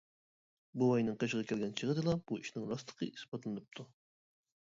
بوۋاينىڭ قېشىغا كەلگەن چېغىدىلا بۇ ئىشنىڭ راستلىقى ئىسپاتلىنىپتۇ.